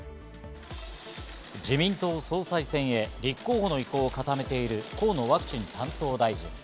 自民党総裁選、立候補の意向を固めている河野ワクチン担当大臣。